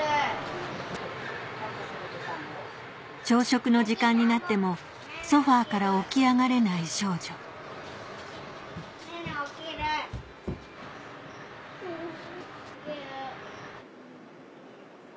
朝食の時間になってもソファから起き上がれない少女ねえね起きる！